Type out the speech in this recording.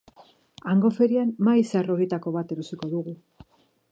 Hango ferian mahai zahar horietako bat erosiko dugu.